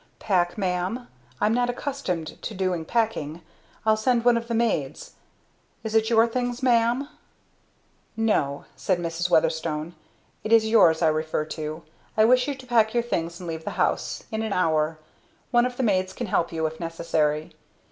"Pack, ma'am? I'm not accustomed to doing packing. I'll send one of the maids. Is it your things, ma'am?" "No," said Mrs. Weatherstone. "It is yours I refer to. I wish you to pack your things and leave the house in an hour. One of the maids can help you, if necessary.